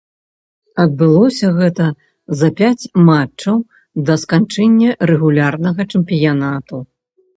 Адбылося гэта за пяць матчаў да сканчэння рэгулярнага чэмпіянату.